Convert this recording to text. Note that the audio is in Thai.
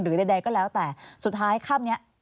ใดก็แล้วแต่สุดท้ายค่ำนี้